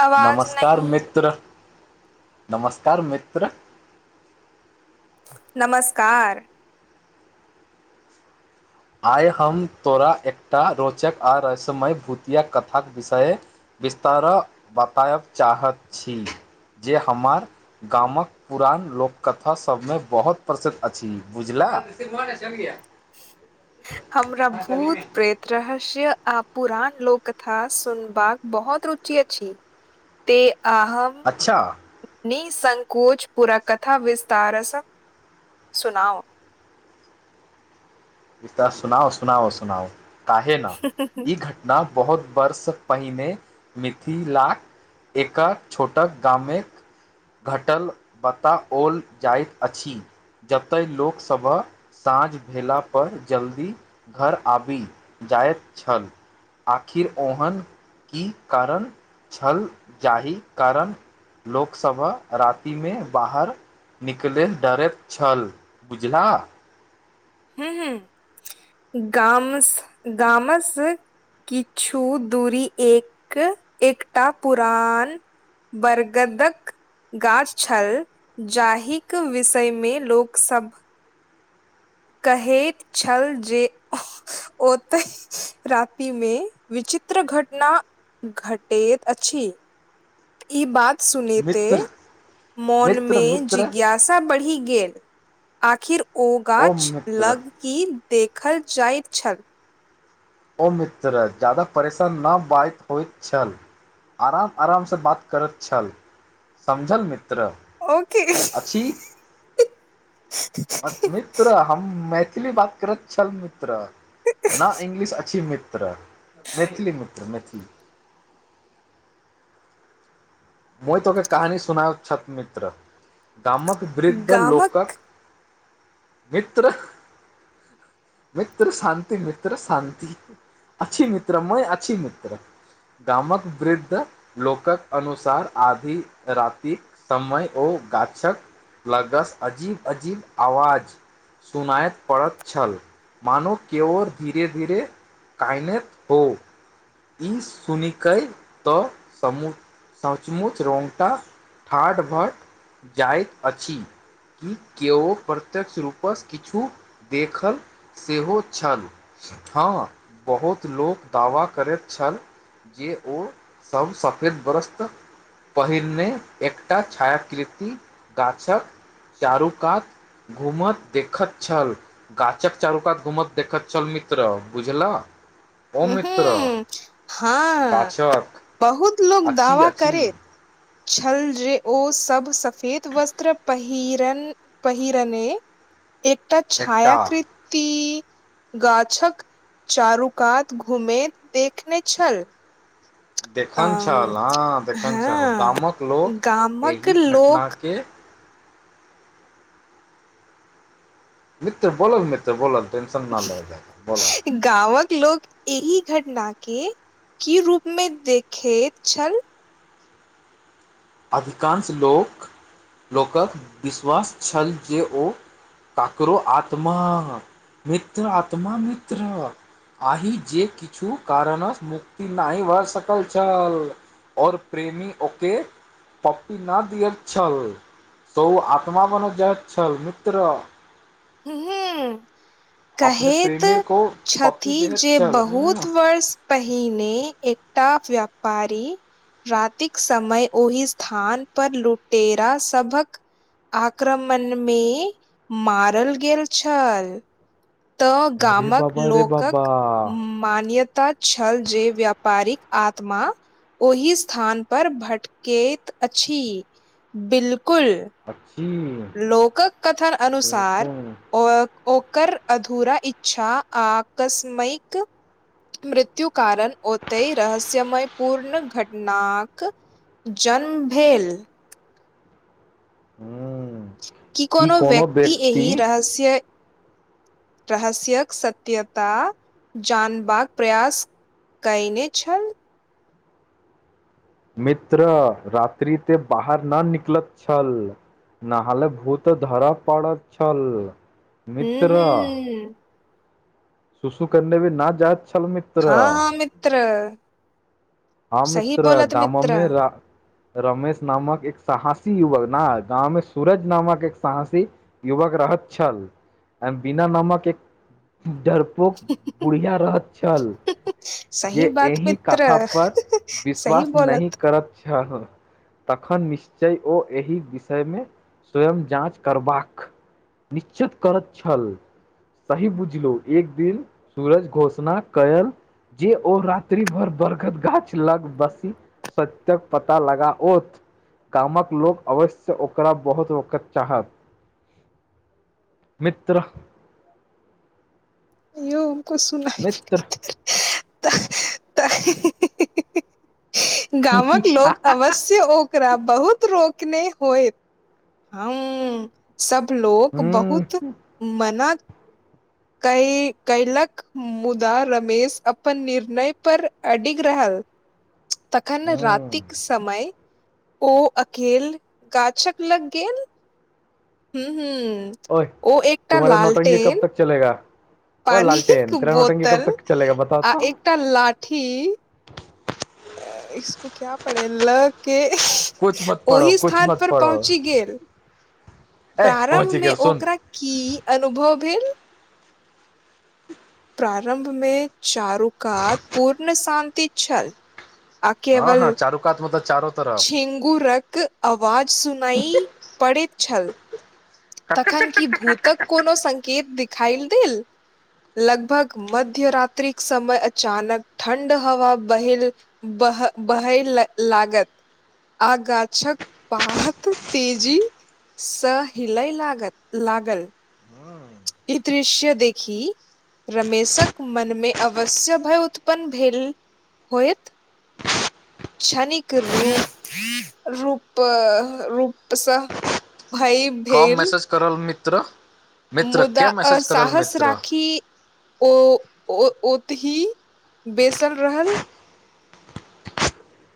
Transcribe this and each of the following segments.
आवाज नमस्कार नहि मित्र नमस्कार मित्र नमस्कार आइ हम तोरा एकटा रोचक आ रहसमय भूतिया कथाक विषय बिस्तार बताएब चाहत छी जे हमार गामक पुरान लोककथा सभमे बहुत प्रसिद्ध अछि बुझले हँ तऽ सर म चल गय हमरा भूत प्रेत रहस्य आ पुरान लोक कथा सुनबाक बहुत रुचि अछी ते अहम अच्छा नी संकोच पुरा कथा विस्तारसँ सुनाओ वि सुना सुनाहो सुनाओ काहे न ई घटना बहुत वर्ष पहिने मिथिलाक एका छोटा गामेक घटल बताओल जाइत अछि जबतऽ लोकसभ साँझ भेला पर जल्दी घर आबि जाइत छल आखिर ओहन की कारण छल जाहि कारण लोकसभा राति मे बाहर नीक लेल डरैत छल बुझला ह ह गामस गामस किछु दूरी एक एकटा पुरान बरगदक गाछ छल जाहिक विषयमे लोकसभ कहैत छल जे ओतय रातिमे विचित चित्र घटना घटैत अछि ई बात सुनैते मित्र मित्र मोनमे मित्र जिज्ञासा बढ़ि गेल आखिर ओ गाछ लग की देखल जाइत छल ओ मित्र ज्यादा परेशान नहि बाइत होइत छल आराम आरामसँ बात करैत छल समझल मित्र ओके तत्र अछि मत्र मित्र हम मैथिली बात कर छल मित्र न इंगलिश मित्र मैथिली मित्र मैथिली म तोके कहानी सुना छ मित्र गामक वृद्ध लोकक गामक मित्र मित्र शान्ति मित्र शान्ति अछि मित्र म अछि मित्र गामक वृद्ध लोकक अनुसार सार आधी रातिक समय ओ गाछक लगस अजीब अजीब आवाज सुनायत पड़ैत छल मानू केओर धीरे धीरे काई नैत हो ई सुनिकै तऽ समूह सचमुच रोगटा ठाठ भट जाइत अछि की केओ प्रत्यक्ष रूपस किछु देखल सेहो छल हँ बहुत लोक दावा करैत छल जे ओ सब सफेद व्रस्त पहिरने एकटा छायाकृति गाछक चारू कात घूमैत देखैत छल गाछक चारुकात घूमैत देखैत छल मित्र बुझल ह हँ गाछक बहुत लोक अछि दावा अछि करैत छल जे ओ सब सफेद वस्त्र पहिरन पहिरने एकटा एकटा छायाकृति गाछक चारुकात घुमे देखने छल अ देखन छल हँ देखन छल हँ गामक लोक गामक एहि घटना लोक के मित्र बोलल मित्र बोलल टेंशन न लेल जाय बोलल गाँवक लोक एहि घटना के की रूपमे देखैत छल अधिकांश लोक लोकक विश्वास छल जे ओ ककरो आत्मा मित्र आत्मा मित्र आहि जे किछु कारणस मुक्ति नाहि भ सकय छल और प्रेमी ओके पप्पी न दियल छल त ओ आत्मा बनि जाइत छल मित्र हे हेए अपने कहेत प्रेमी को पप्पी छथि देहैत जे छल उम्म बहुत वर्ष पहि पहिने एकटा व्यापारी रातिक समय ओहि स्थान पर लुटेरा सभक आक्रमण मे मारल गेल छल तऽ अरे गामक बाबा रे बाबा लोकक मान्यता छल जे व्यापारिक आत्मा ओहि स्थान पर भटकेत अछि बिल कुल अछि लोकक कथन देखू अनुसार ओ ओकर अधूरा इच्छा आकस्मइक मृत्यु कारण ओतय रहस्यमय पूर्ण घटनाक जन्म भेल हूँ कि कोनो व्यक्ति एहि रहस्य रहस्यक सत्यता जानबाक प्रयास कएने छल मित्र रात्रि ते बाहर ना निकलत छल नाहल भूत धर' पड़' छल हूँ हूँ शुशु करने भी न जाइत छल मित्र हँ हँ मित्र हँ सही मित्र बोलत गाम' मित्र मे र' रमेश नामक एक साहासी युवक न गाम मे सूरज नामक एक सहासी युवक रह हत छल वीना नामक एक डर पोक बुढ़िया रहत छल जे सही बात एहि मित्र कथा पर सही विश्वास नहि बोलत करत छल तखन निश्चय ओ एहि विषयमे स्वयं जाँच करबाक निश्चित करत छल सही बुझलो एक दिन सूरज घोषणा कयल जे ओ रात्रि भर बरगद गाछ लग बसी सत्यक पता लगाओत गामक लोक अवश्य ओकरा बहुत रोकक चाहत मित्र यौ उको सुनाइ मित्र त [inaudible] हीहीही गामक लोक अवश्य ओकरा बहुत रोकने होयत हहूँ सब लोक हूं बहुत मना [inaudible] कइ कयलक मुदा रमेश अपन निर्णय पर अडिग रहल [inaudible] तखन हूं रातिक समय ओ अकेल गाछक लग गेल हूँ हूँ ओए ओ एकटा तुम्हारा नौटंकी कब लालटेन तक चलेगा ओ पानिक लालटेन तेरा नौटंकी कब बोतल तक चलेगा बताओ आ तो एकटा लाठी इसको क्या पढ़े ल के कुछ मत पढ़ो ओहि कुछ स्थान मत पर पढ़ो पहुँची गेल ए प्रारम्भ पहुँची मे गेल सुन ओकरा की अनुभव भेल प्रारम्भ मे चारोकात पूर्ण शान्ति छल हँ हँ चारु कात मतलब चारो तरफ छि्गुरक आवाज सुनाइ पड़ैत छल तखन कि भूतक कोनो संकेत दिखाइल देल लगभग मध्य रातिक समय अचानक ठण्ड हवा बहल बह बहैल लागत आ गाछक पात तेजी सँ हिलइ लागत लागल ई दृश्य देखी रमेशक मनमे अवश्य भय उत्पन्न भेल होयत क्षणिक रूप रूप रूप सँ भय भेल त्र मुदा साहस राखी ओ ओ ओतहि बेसल रहल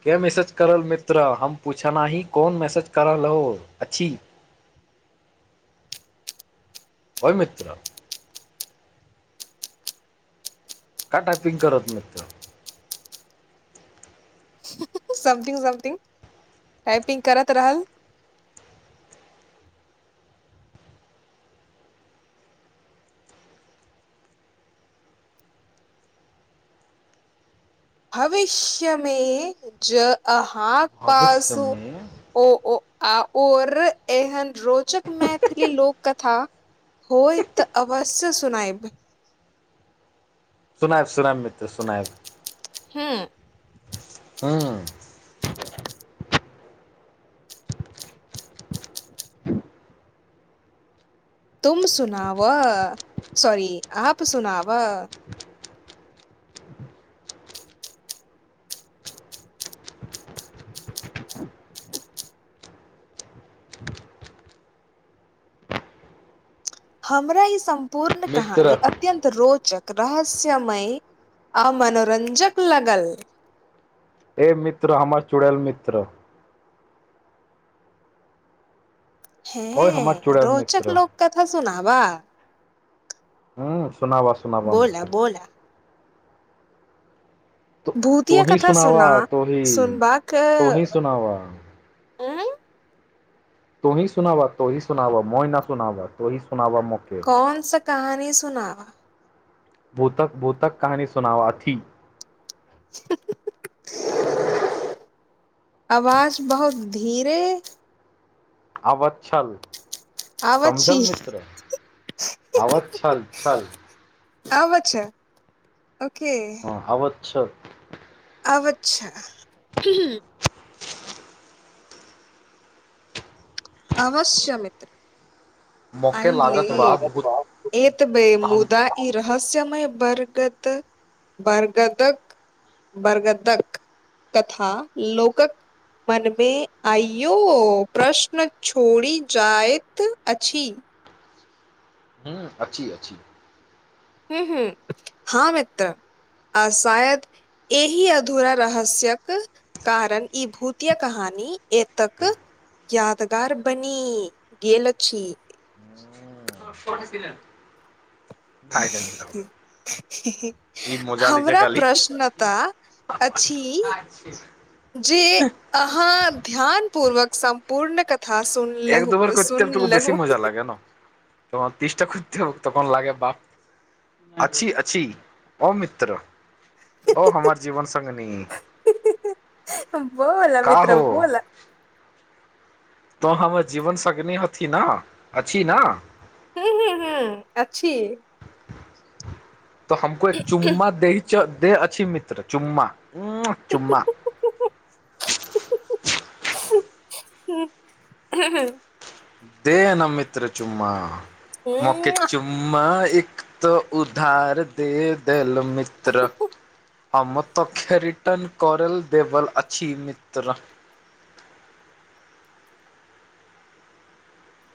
के मैसेज करल मित्र हम पूछना ही कोन मैसेज करल हो अछि [inaudible] ओय मित्र का टाइपिंग करत मित्र समथिंग समथिंग टाइपिंग करैत रहल [inaudible] भविष्य में ज आह हाँ पासू भविष्यमे ओ ओ आ ओर एहन रोचक मैथिली लोक कथा होय तऽ अवश्य सुनायब सुनायब सुनायब मित्र सुनायब हू हँ तुम सुनाव सॉरी आप सुनाव हमरा ई सम्पूर्ण कहानी मित्र अत्यन्त रोच रोचक रहस्यमय आ मनोरंजक लागल ए मित्र हमर चुड़ैल मित्र ओय हमर हँ चुड़ैल रोचक मित्र लोक कथा सुना बा ह सुनावा सुनावा बोला मित्र बोला भूतिया तोहि कथा सुनावा सुना तोहि सुनबाक तोहि सुनावा उं तोहि सुनावा तोहि सुनावा मोहि न सुनावा तोहि सु कौन सा कहानी सुनावा भूतक भूतक कहानी सुनावाथी हँ आवाज बहुत धीरे आबत छल आबत समझल छी मित्र आवाज छल छल आब छै ओ छओ आव अच्छा अवश्य मित्र मौके आइ लागत वा भूत ले ए त बेै हम मुदा ई रहस्य बरगत बरगदक बरगदक कथा लोकक मनमे आइयो प्रश्न छोड़ी जायत अछि ह अछि अछि हू हू ह मित्र आ शायद एहि अधूरा रहस्यक कारण ई भूतिया कहानी एतक यादगार बनि गेल छै कठ छल ई [unintelligible] मजा लै छै हमरा खाली प्रश्नता अछि जे अहाँ ध्यान पूर्वक सम्पूर्ण क कथा सुन एक दू लेहु बेर सुन लेहुथ त तीसटा खु तखन लागे बाप अछि अछि ओ मित्र ओ हमर जीवन संगनी बोल का मित्र हो बोल तो हमर जीवन संगनी हथि न अछि न हू हू हू अछि तऽ हमको एक चुम्मा दे दे अछि मित्र चुम्मा चुम्मा ह देना मित्र चुम्मा मोके चुम्मा एक त उधार दे देल मित्र हम ओतौके रिटर्न करल देबल अछि मित्र [unintelligible]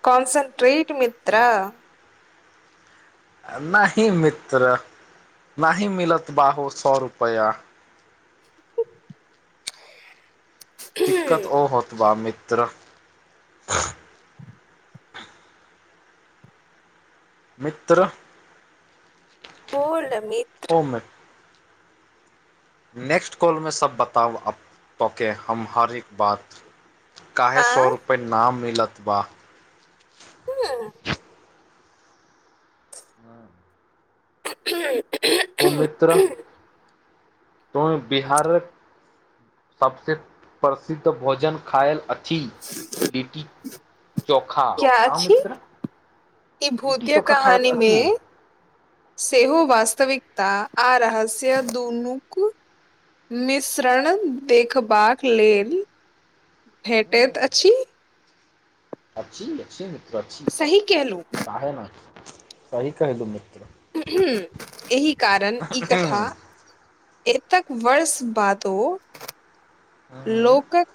कॉनसनट्रेट मित्रा नाही मित्र नाही मिलत बाबू स रुपैआ दिक्कत ओ होतबा मित मित्र मित्र बोल मित्र ओमे नेक्स्ट कॉलमें सभ बताउ अब तोके हम हर एक बात काहे सए हाँ रुपे नाम मिलत बा हँ [unintelligible] ओ मित्र त बिहारक सबसे प्रसिद्ध भोजन खायल अछि कथी लिटी चोखा क्या हँ अछि मित्र ई लिट्टी भूतिया चोखा खायत कहानी मे अछि सेहो वास्तविक ता आ रहस्य दुनूक मिश्रण देखबाक लेल भेटैत अछि अछि अछि ह सही केहलूँ सहि कहलि मित्र ह एहि कारण ई कथा मित्र एतक वर्ष बादो लोकक